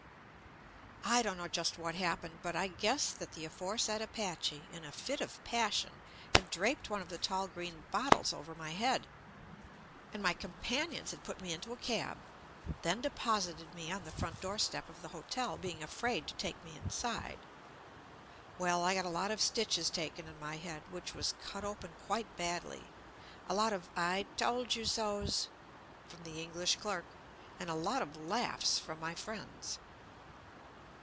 I don't know just what happened, but I guess that the aforesaid Apache in a fit of passion had draped one of the tall green bot tles over my head, and my companions had put me into a cab, then deposited me on the front doorstep of the hotel, being afraid to take me inside. Well, I got a lot of stitches taken in my head (which was cut open quite badly) , a lot of "I told you sos" from the Eng lish clerk, and a lot of laughs from my friends.